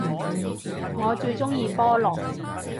我最鍾意菠蘿